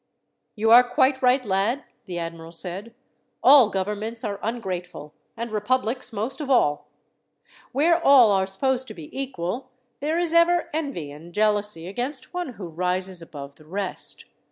"You are quite right, lad," the admiral said. "All governments are ungrateful, and republics most of all. Where all are supposed to be equal, there is ever envy and jealousy against one who rises above the rest.